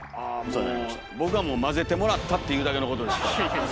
僕はもう交ぜてもらったっていうだけのことでしたから。